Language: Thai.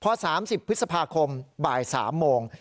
พอ๓๐พฤษภาคมบ่าย๓โมง